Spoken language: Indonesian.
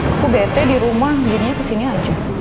aku bete di rumah gini gini kesini aja